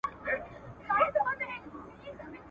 د نامردو ګوزارونه وار په وار سي ..